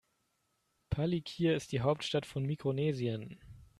Palikir ist die Hauptstadt von Mikronesien.